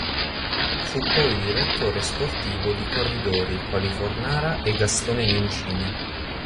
Fu poi direttore sportivo di corridori quali Fornara e Gastone Nencini.